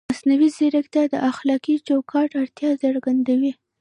مصنوعي ځیرکتیا د اخلاقي چوکاټ اړتیا څرګندوي.